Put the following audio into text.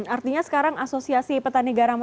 artinya sekarang asosiasi petani garam